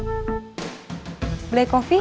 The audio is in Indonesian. kita ketemu di modar